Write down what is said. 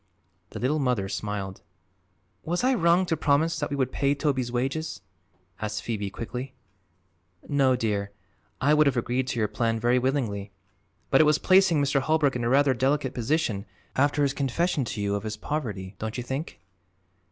The Little Mother smiled. "Was I wrong to promise that we would pay Toby's wages?" asked Phoebe quickly. "No, dear; I would have agreed to your plan very willingly. But it was placing Mr. Holbrook in a rather delicate position, after his confession to you of his poverty, don't you think?"